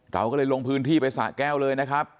เราก็เลยลงพื้นที่ไปสะแก้วเลยนะครับ